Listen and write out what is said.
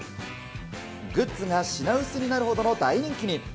グッズが品薄になるほどの大人気に。